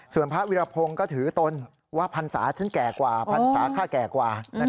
ส่วนพระวิรพงศ์ก็ถือตนว่าพรรษาฉันแก่กว่าพรรษาข้าแก่กว่า